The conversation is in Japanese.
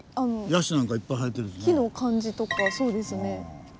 木の感じとかそうですね。